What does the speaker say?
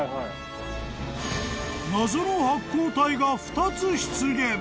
［謎の発光体が２つ出現］